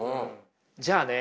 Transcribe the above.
じゃあね